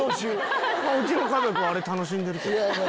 うちの家族はあれ楽しんでるけど。